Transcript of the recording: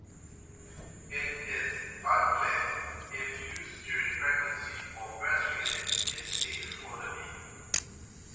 It is unclear if use during pregnancy or breastfeeding is safe for the baby.